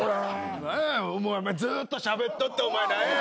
何やお前ずっとしゃべっとってお前何や。